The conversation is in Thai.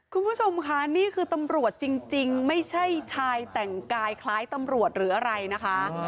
คุณผู้ชมค่ะนี่คือตำรวจจริงไม่ใช่ชายแต่งกายคล้ายตำรวจหรืออะไรนะคะ